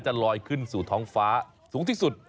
ลอยขึ้นสู่ท้องฟ้าสูงที่สุด